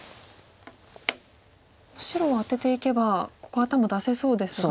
白はアテていけばここ頭出せそうですが。